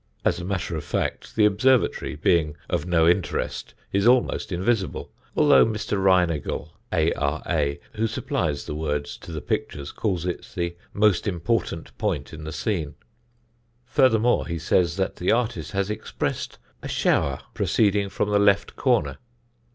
As a matter of fact, the observatory, being of no interest, is almost invisible, although Mr. Reinagle, A.R.A., who supplies the words to the pictures, calls it the "most important point in the scene." Furthermore, he says that the artist has expressed a shower proceeding "from the left corner."